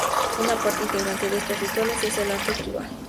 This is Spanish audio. Una parte integrante de estos rituales es el arte tribal.